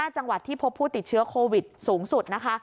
จังหวัดที่พบผู้ติดเชื้อโควิดสูงสุดนะคะ